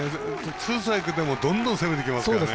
ツーストライクでもどんどん攻めてきますよね。